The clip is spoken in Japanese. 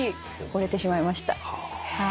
ほれてしまいました。